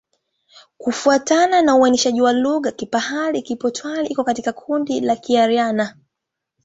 Kufuatana na uainishaji wa lugha, Kipahari-Kipotwari iko katika kundi la Kiaryan.